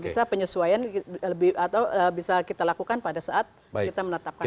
bisa penyesuaian lebih atau bisa kita lakukan pada saat kita menetapkan